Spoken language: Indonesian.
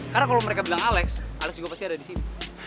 karena kalo mereka bilang alex alex juga pasti ada disini